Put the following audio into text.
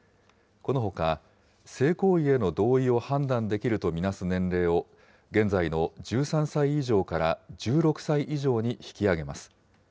このほか、性行為への同意を判断できると見なす年齢を、現在の１３歳以上から１６歳以上に引き上げます。